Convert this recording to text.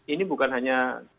ini bukan hanya